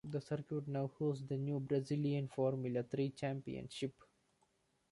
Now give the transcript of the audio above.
The circuit now host the new Brazilian Formula Three Championship.